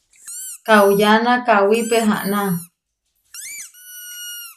Kauyána kawí pehaná.